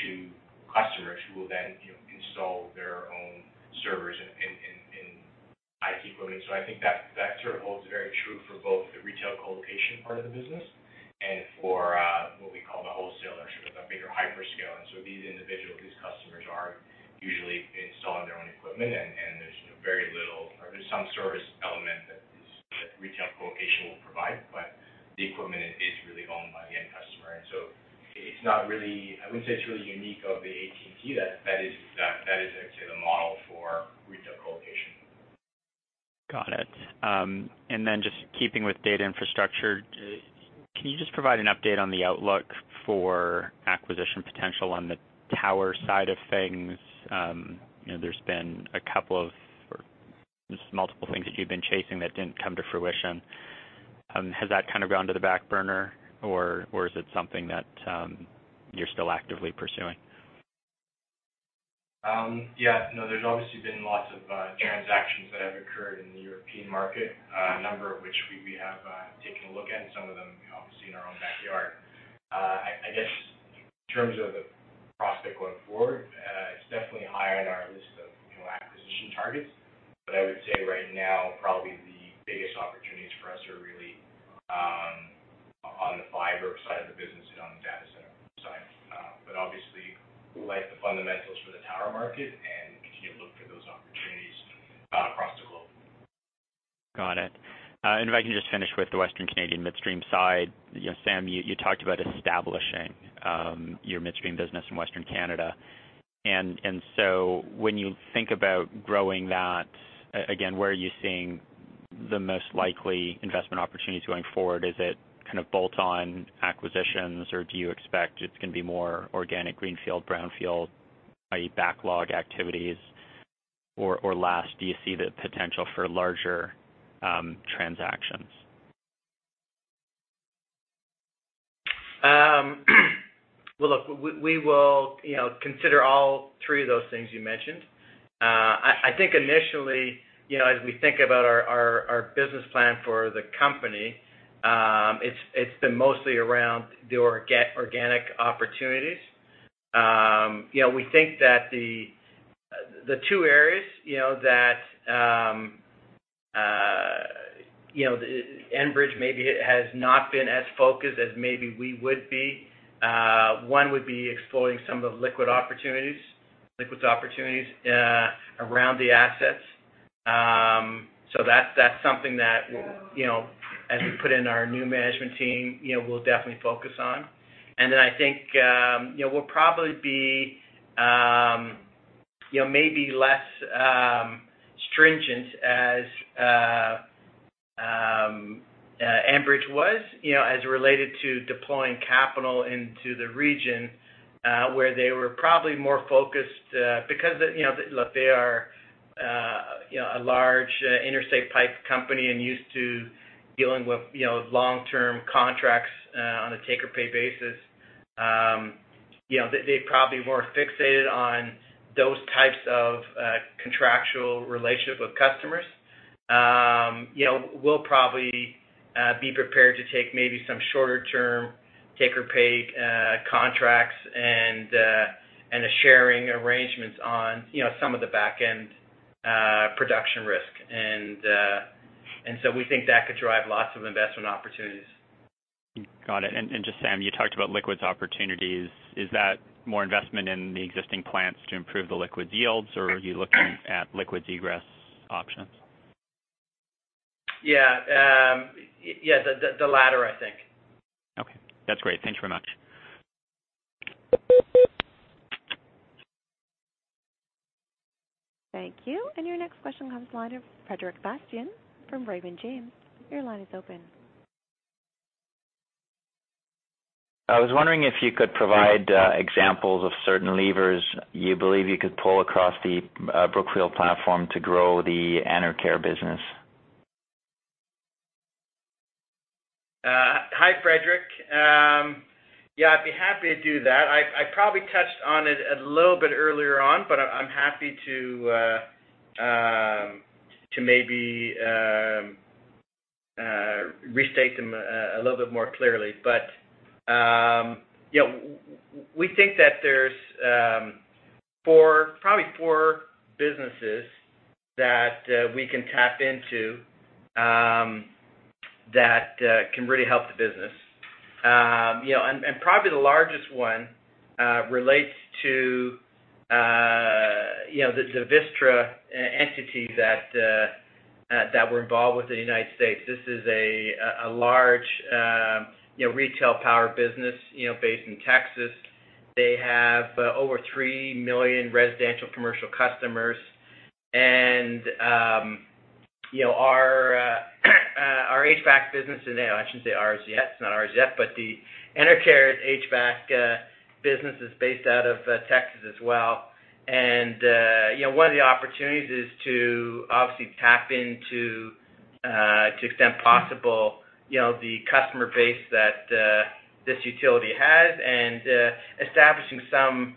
to customers who will then install their own servers and IT equipment. I think that sort of holds very true for both the retail colocation part of the business and for what we call the wholesaler, sort of the bigger hyperscale. These individuals, these customers, are usually installing their own equipment, and there's very little, or there's some service element that retail colocation will provide, but the equipment is really owned by the end customer. I wouldn't say it's really unique of the AT&T. That is actually the model for retail colocation. Got it. Just keeping with data infrastructure, can you just provide an update on the outlook for acquisition potential on the tower side of things? There's been multiple things that you've been chasing that didn't come to fruition. Has that kind of gone to the back burner, or is it something that you're still actively pursuing? There's obviously been lots of transactions that have occurred in the European market. A number of which we have taken a look at, some of them obviously in our own backyard. In terms of the prospect going forward, it's definitely high on our list of acquisition targets. I would say right now probably the biggest opportunities for us are really on the fiber side of the business and on the data center side. Obviously, we like the fundamentals for the tower market and continue to look for those opportunities across the globe. Got it. If I can just finish with the Western Canadian midstream side. Sam, you talked about establishing your midstream business in Western Canada, when you think about growing that, again, where are you seeing the most likely investment opportunities going forward? Is it bolt-on acquisitions, or do you expect it's going to be more organic, greenfield, brownfield, i.e., backlog activities? Last, do you see the potential for larger transactions? We will consider all three of those things you mentioned. Initially, as we think about our business plan for the company, it's been mostly around the organic opportunities. We think that the two areas that Enbridge maybe has not been as focused as maybe we would be. One would be exploring some of the liquids opportunities around the assets. That's something that as we put in our new management team, we'll definitely focus on. We'll probably be maybe less stringent as Enbridge was as related to deploying capital into the region. Where they were probably more focused, they are a large interstate pipe company and used to dealing with long-term contracts on a take-or-pay basis. They're probably more fixated on those types of contractual relationship with customers. We'll probably be prepared to take maybe some shorter-term, take-or-pay contracts and the sharing arrangements on some of the back-end production risk. We think that could drive lots of investment opportunities. Got it. Just, Sam, you talked about liquids opportunities. Is that more investment in the existing plants to improve the liquids yields, or are you looking at liquids egress options? Yeah. The latter, I think. Okay. That's great. Thank you very much. Thank you. Your next question comes from the line of Frederic Bastien from Raymond James. Your line is open. I was wondering if you could provide examples of certain levers you believe you could pull across the Brookfield platform to grow the Enercare business. Hi, Frederic. Yeah, I'd be happy to do that. I probably touched on it a little bit earlier on, but I'm happy to maybe restate them a little bit more clearly. We think that there's probably four businesses that we can tap into that can really help the business. Probably the largest one relates to the Vistra entity that we're involved with in the U.S. This is a large retail power business based in Texas. They have over three million residential commercial customers. Our HVAC business, I shouldn't say ours yet, it's not ours yet, but the Enercare HVAC business is based out of Texas as well. One of the opportunities is to obviously tap into, to the extent possible, the customer base that this utility has and establishing some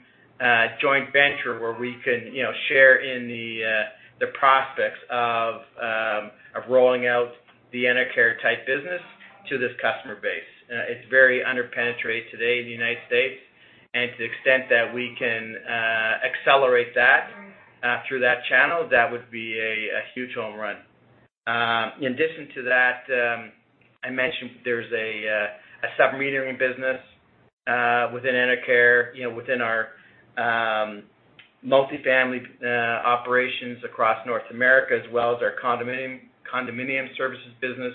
joint venture where we can share in the prospects of rolling out the Enercare-type business to this customer base. It's very under-penetrated today in the U.S., to the extent that we can accelerate that through that channel, that would be a huge home run. In addition to that, I mentioned there's a sub-metering business within Enercare, within our multi-family operations across North America, as well as our condominium services business.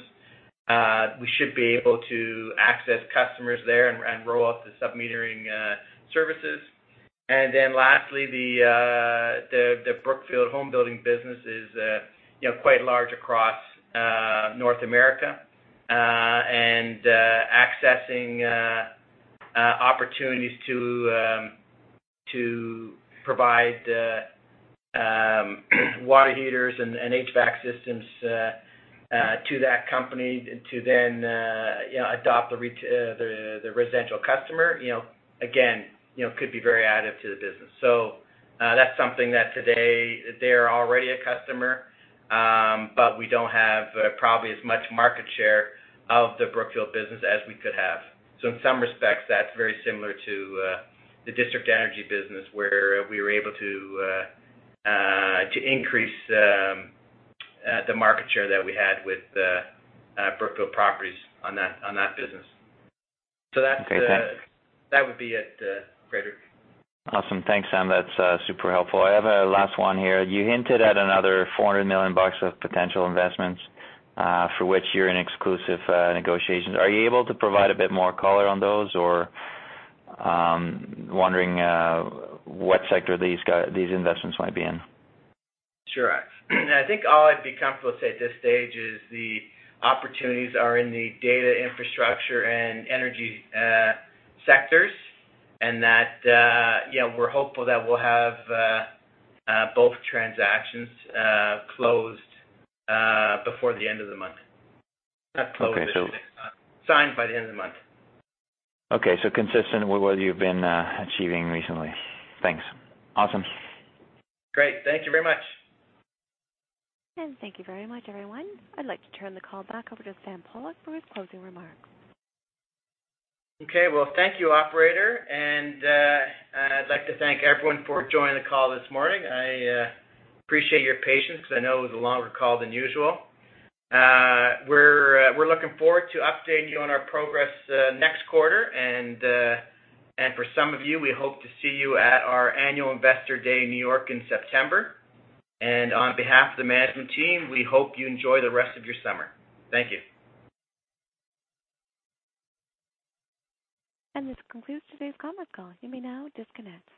We should be able to access customers there and roll out the sub-metering services. Lastly, the Brookfield home building business is quite large across North America. Accessing opportunities to provide water heaters and HVAC systems to that company to then adopt the residential customer, again, could be very additive to the business. That's something that today they are already a customer, but we don't have probably as much market share of the Brookfield business as we could have. In some respects, that's very similar to the district energy business where we were able to increase the market share that we had with Brookfield Properties on that business. Okay, thanks. That would be it, Frederic. Awesome. Thanks, Sam. That's super helpful. I have a last one here. You hinted at another $400 million of potential investments, for which you're in exclusive negotiations. Are you able to provide a bit more color on those? Wondering what sector these investments might be in. Sure. I think all I'd be comfortable to say at this stage is the opportunities are in the data infrastructure and energy sectors, and that we're hopeful that we'll have both transactions closed before the end of the month. Okay. Not closed. Signed by the end of the month. Okay, consistent with what you've been achieving recently. Thanks. Awesome. Great. Thank you very much. Thank you very much, everyone. I'd like to turn the call back over to Sam Pollock for his closing remarks. Okay, well, thank you, operator. I'd like to thank everyone for joining the call this morning. I appreciate your patience. I know it was a longer call than usual. We're looking forward to updating you on our progress next quarter. For some of you, we hope to see you at our annual Investor Day in New York in September. On behalf of the management team, we hope you enjoy the rest of your summer. Thank you. This concludes today's conference call. You may now disconnect.